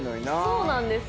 そうなんですよ。